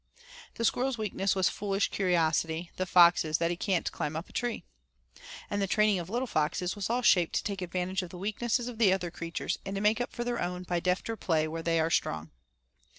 The squirrel's weakness was foolish curiosity; the fox's that he can't climb a tree. And the training of the little foxes was all shaped to take advantage of the weakness of the other creatures and to make up for their own by defter play where they are strong.